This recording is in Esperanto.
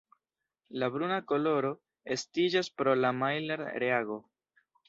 La bruna koloro estiĝas pro la Maillard-reago.